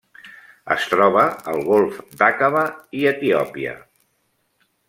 Es troba al golf d'Aqaba i Etiòpia.